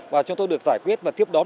và chúng tôi được giải quyết và tiếp đón